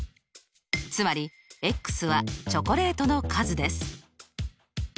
つまりはチョコレートの数です。